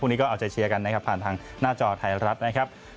วันนี้ก็เอาใจเชียร์กันนะครับผ่านทางหน้าจอไทยรัฐนะครับ